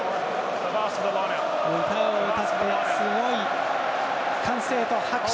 歌を歌って、すごい歓声と拍手。